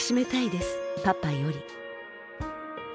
パパより」。